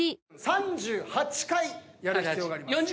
３８回やる必要があります。